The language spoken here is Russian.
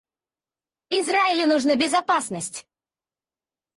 Израилю нужна безопасность.